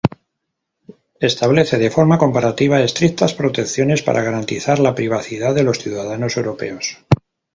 Establece de forma comparativa estrictas protecciones para garantizar la privacidad de los ciudadanos europeos.